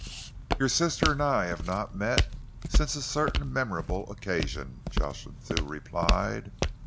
"Your sister and I have not met since a certain memorable occasion," Jocelyn Thew replied.